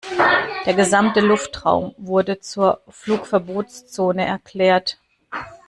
Der gesamte Luftraum wurde zur Flugverbotszone erklärt.